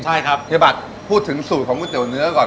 ใช่ครับเฮียบัตรพูดถึงสูตรของก๋วเนื้อก่อน